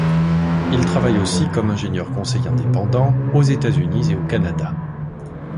Il travaille aussi comme ingénieur conseil indépendant aux États-Unis et au Canada.